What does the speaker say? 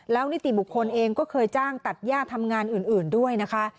แล้วนิติบุคคลเองก็เคยจ้างตัดย่าทำงานอื่นด้วยนะคะ